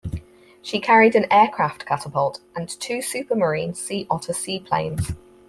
She carried an aircraft catapult and two Supermarine Sea Otter seaplanes.